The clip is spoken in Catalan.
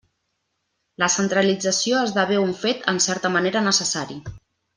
La centralització esdevé un fet en certa manera necessari.